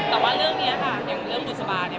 แต่ว่าเรื่องนี้ค่ะอย่างเรื่องบุษบาเนี่ย